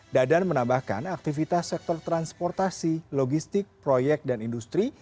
dadan menambahkan aktivitas sektor transportasi logistik proyek dan industri